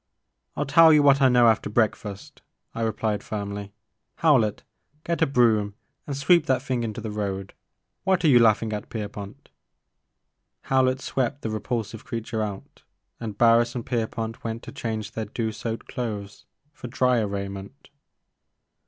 " I *11 tell you what I know after breakfast, I replied firmly, Howlett, get a broom and sweep that thing into the road, — what are you laughing at, Pierpont?" Howlett swept the repulsive creature out and Barris and Pierpont went to change their dew soaked clothes for dryer raiment.